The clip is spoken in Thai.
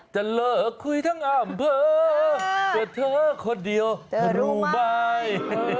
จะเลิกคุยทั้งอำเภอแต่เธอคนเดียวรู้ไหม